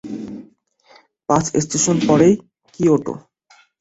পাঁচ স্টেশন পরেই কিয়োটো।